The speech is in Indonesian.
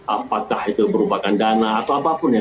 apakah itu berupakan dana atau apapun